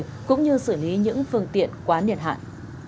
các đơn vị chức năng xử lý những phương tiện quá nhân hạn